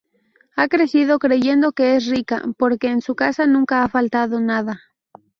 Ha crecido creyendo que es rica, porque en su casa nunca ha faltado nada.